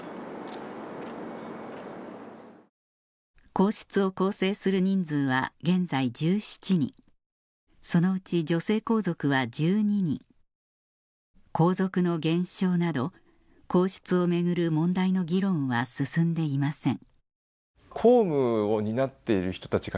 皇室を構成する人数は現在１７人そのうち女性皇族は１２人皇族の減少など皇室を巡る問題の議論は進んでいません